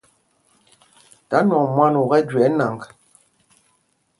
Tha nwɔŋ mwân u kɛ́ jüe ɛ́ nǎŋg.